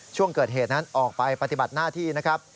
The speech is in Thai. ช่วงเกิดเหตุนั้นออกไปปฏิบัติหน้าที่นะครับ